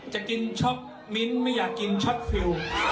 จะกินช็อปมิ้นท์ไม่อยากกินช็อตฟิล